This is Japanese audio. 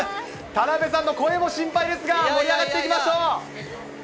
田辺さんの声も心配ですが盛り上がっていきましょう。